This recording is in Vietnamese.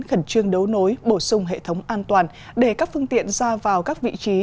khẩn trương đấu nối bổ sung hệ thống an toàn để các phương tiện ra vào các vị trí